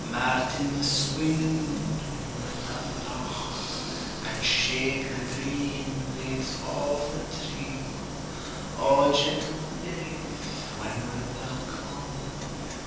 Martinmas wind, when wilt thou blaw, And shake the green leaves off the tree? O gentle death, when wilt thou come?